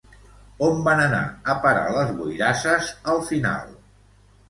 On van anar a parar les boirasses al final?